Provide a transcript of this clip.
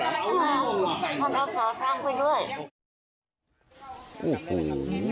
อ่าเอาขอข้างไปด้วย